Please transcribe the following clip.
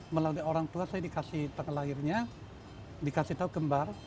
melalui orang tua saya dikasih tanggal lahirnya dikasih tahu kembar